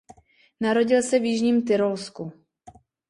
Narodil se v jižním Tyrolsku.